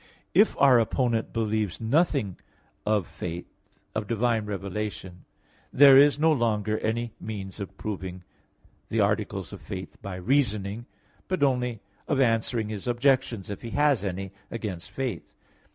If our opponent believes nothing of divine revelation, there is no longer any means of proving the articles of faith by reasoning, but only of answering his objections if he has any against faith.